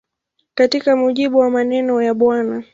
Katika mujibu wa maneno ya Bw.